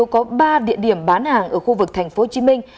có ba địa điểm bán hàng ở khu vực tp hồ chí minh